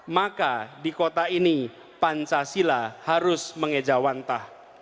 maka di kota ini pancasila harus mengejawantah